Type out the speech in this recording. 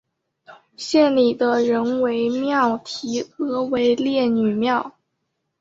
县里的人为庙题额为烈女庙。